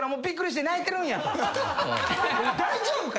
「大丈夫か？」